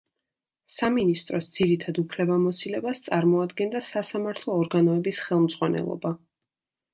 სამინისტროს ძირითად უფლებამოსილებას წარმოადგენდა სასამართლო ორგანოების ხელმძღვანელობა.